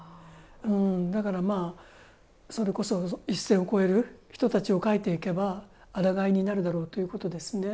だから、それこそ一線を超える人たちを書いていけばあらがいになるだろうということですね。